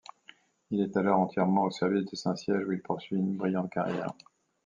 Il est alors entièrement au service du Saint-Siège où il poursuit une brillante carrière.